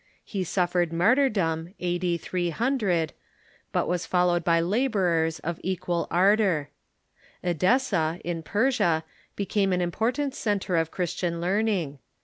He suffered martyrdom, a.d. 300, but was followed by laborers of equal ardor. Edessa, in Persia, became an important centre of Chris tian learning.